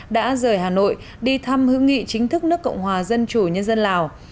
đã rời hà nội đi thăm hữu nghị chính thức nước cộng hòa dân chủ nhân dân lào